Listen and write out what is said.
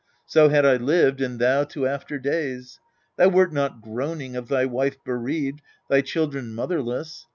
So had I lived, and thou, to after days : Thou wert not groaning, of thy wife bereaved, Thy children motherless.